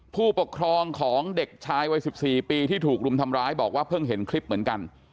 ผู้ปกครองของเด็กชายวัย๑๔ปีที่ถูกรุมทำร้ายบอกว่าเพิ่งเห็นคลิปเหมือนกัน